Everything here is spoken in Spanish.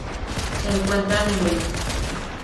Se encuentran en Belice.